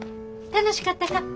楽しかったか？